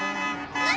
あっ。